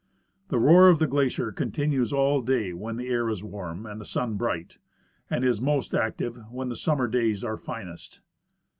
The roar of the glacier continues all day when the air is warm and the sun bright, and is most active when the sum mer days are finest.